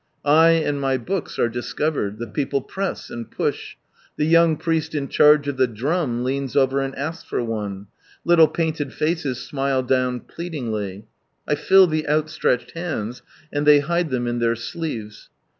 I and my books are discovered. The people press and push ; the young priest in charge of the drum leans over and asks for one ; liiile painted faces smile down pleadingly. I fill the ouUtretched hands, and they hide them in their sleeves.